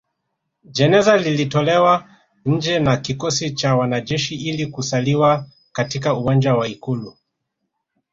Jeneza lilitolewa nje na kikosi cha wanajeshi ili kusaliwa katika uwanja wa Ikulu